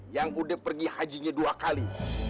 yang udah pergi hajinya dua kali